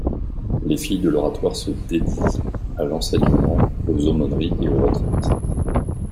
Les Filles de l'oratoire se dédient à l'enseignement, aux aumôneries et aux retraites.